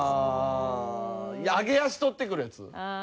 揚げ足取ってくるヤツ。